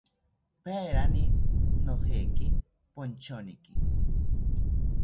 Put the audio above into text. Paerani nojeki ponchoniki